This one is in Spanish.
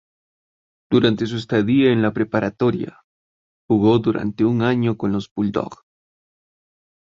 Durante su estadía en la preparatoria, jugó durante un año con los Bulldog.